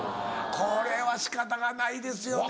これは仕方がないですよね。